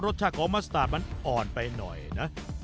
รสชาติของมัสตาร์ทมันอ่อนไปหน่อยนะ